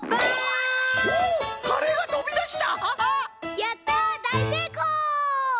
やっただいせいこう！